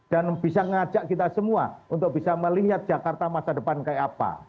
dan bisa mengajak kita semua untuk bisa melihat jakarta masa depan kayak apa